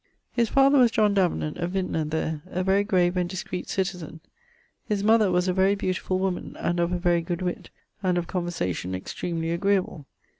His father was John Davenant, a vintner there, a very grave and discreet citizen: his mother was a very beautifull woman, and of a very good witt, and of conversation extremely agreable.